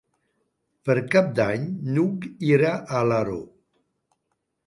Per Cap d'Any n'Hug irà a Alaró.